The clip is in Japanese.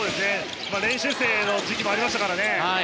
練習生の時期もありましたからね。